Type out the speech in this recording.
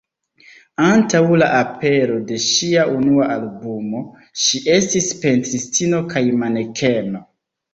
Antaŭ la apero de ŝia unua albumo, ŝi estis pentristino kaj manekeno.